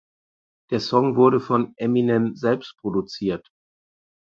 Der Song wurde von Eminem selbst produziert.